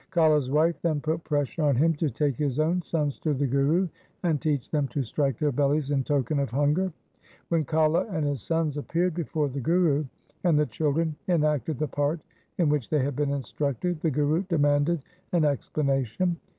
Kala's wife then put pressure on him to take his own sons to the Guru, and teach them to strike their bellies in token of hunger. When Kala and his sons appeared before the Guru, and the children enacted the part in which they had been instructed, the Guru demanded an explana tion.